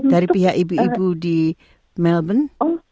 dari pihak ibu ibu di melbourne